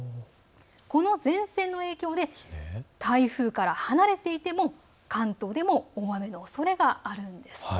この前線の影響で台風から離れていても関東でも大雨のおそれがあるんです。